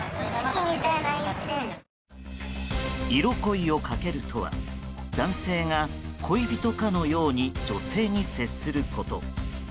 色恋をかけるとは男性が恋人かのように女性に接すること。